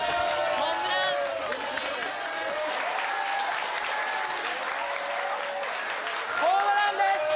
ホームランです！